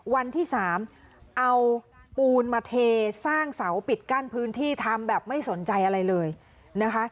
วันที่๓เอาปูนมาเทสร้างเสาปิดกั้นพื้นที่ทำแบบไม่สนใจอะไรเลยนะคะ